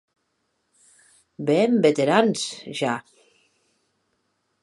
Be èm veterans ja!.